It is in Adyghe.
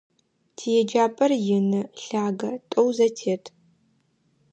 ТиеджапӀэр ины, лъагэ, тӀоу зэтет.